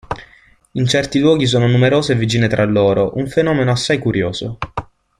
In certi luoghi sono numerose e vicine tra loro, un fenomeno assai curioso.